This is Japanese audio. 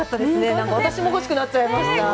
なんか私も欲しくなっちゃいました。